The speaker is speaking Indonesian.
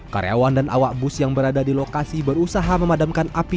karyawan dan awak bus yang berada di lokasi berusaha memadamkan api